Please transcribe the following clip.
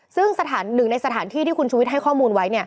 ซึ่ง๑ในสถานที่ที่คุณชุวิตให้ข้อมูลไว้